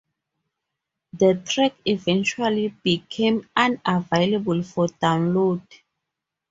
The track eventually became unavailable for download.